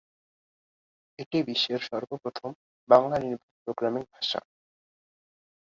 এটি বিশ্বের সর্বপ্রথম বাংলা নির্ভর প্রোগ্রামিং ভাষা।